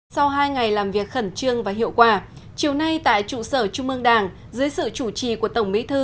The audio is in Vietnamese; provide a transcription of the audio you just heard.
sau hai ngày làm việc khẩn trương và hiệu quả chiều nay tại trụ sở trung ương đảng dưới sự chủ trì của tổng bí thư